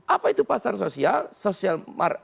apa itu pasar sosial